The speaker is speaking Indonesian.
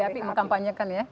lbap mengkampanyekan ya